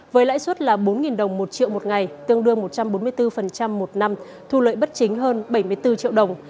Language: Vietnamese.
với lãi suất là bốn đồng một triệu một ngày tương đương một trăm bốn mươi bốn một năm thu lợi bất chính hơn bảy mươi bốn triệu đồng